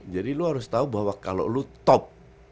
jadi lo harus tau bahwa kalau lo top